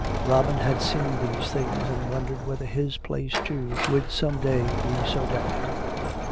... Robin had seen these things, and wondered whether his place, too, would some day be so decked.